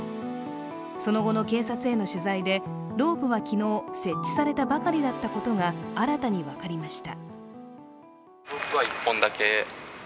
その後の警察への取材でロープは昨日、設置されたばかりだったことが新たに分かりました。